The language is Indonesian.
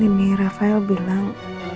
ini nih rafael bilang